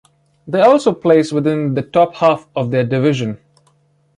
They also placed within the top half of their division.